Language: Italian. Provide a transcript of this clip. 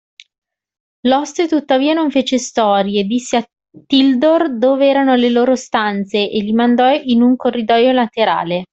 L'oste tuttavia non fece storie, disse a Tildor dove erano le loro stanze e li mandò in un corridoio laterale.